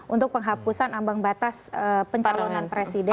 untuk penghapusan ambang batas pencalonan presiden